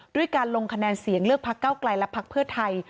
ด้วยการลงคะแนนเสียงเลือกพักเก้าไกลและพักเพื่อไทย